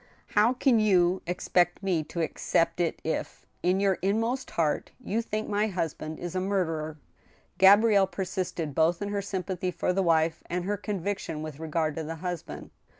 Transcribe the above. " How can you expect me to accept it if, in your inmost heart, you think my husband is a murderer ?" Gabrielle* persisted, both in her sympathy for the wife, and her conviction with regard to the husband.